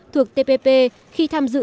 thuộc tpp khi tham dự